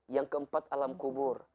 yang keempat alam kubur